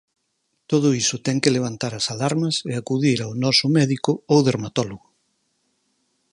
Todo iso ten que levantar as alarmas e acudir ao noso médico ou dermatólogo.